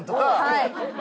はい！